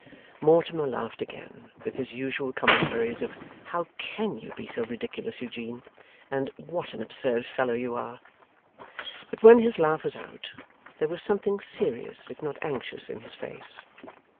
Mortimer laughed again, with his usual commentaries of 'How CAN you be so ridiculous, Eugene!' and 'What an absurd fellow you are!' but when his laugh was out, there was something serious, if not anxious, in his face.